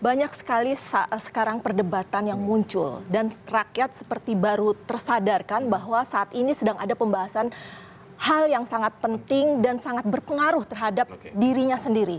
banyak sekali sekarang perdebatan yang muncul dan rakyat seperti baru tersadarkan bahwa saat ini sedang ada pembahasan hal yang sangat penting dan sangat berpengaruh terhadap dirinya sendiri